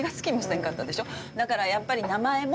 だからやっぱり。